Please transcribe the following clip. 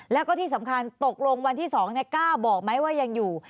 แล้วก็ที่สำคัญตกลงวันที่๒กล้าบอกไหมว่ายังอยู่